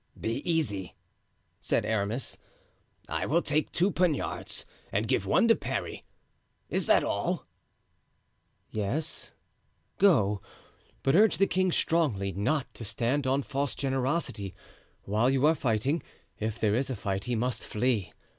"Be easy," said Aramis; "I will take two poniards and give one to Parry. Is that all?" "Yes, go; but urge the king strongly not to stand on false generosity. While you are fighting if there is a fight, he must flee.